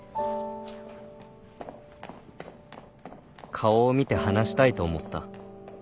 顔を見て話したいと思った